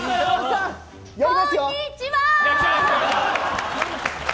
こんにちはー！